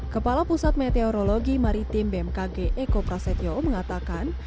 kepala pusat meteorologi maritim bmkg eko prasetyo mengatakan